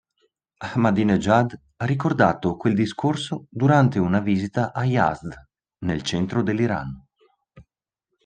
Ahmadinejad ha ricordato quel discorso durante una visita a Yazd, nel centro dell’Iran.